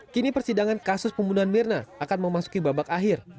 kini persidangan kasus pembunuhan mirna akan memasuki babak akhir